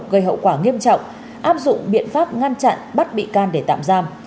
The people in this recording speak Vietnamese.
gây hậu quả nghiêm trọng áp dụng biện pháp ngăn chặn bắt bị can để tạm giam